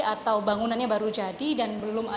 atau bangunannya baru saja